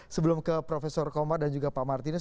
sebelum ke prof komar dan juga pak martinus